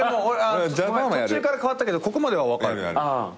でも途中から変わったけどここまでは分かる。